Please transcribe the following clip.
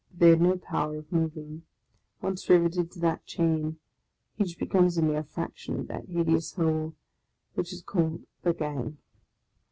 But they had no power of moving; once riveted to that chain, each be comes a mere fraction of that hideous whole which is called the Gang.